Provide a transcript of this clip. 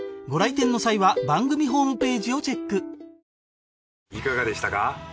ご来店の際は番組ホームページをチェックいかがでしたか？